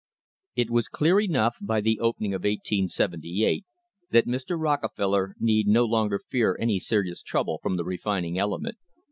IT was clear enough by the opening of 1878 that Mr. Rocke feller need no longer fear any serious trouble from the refin ing element.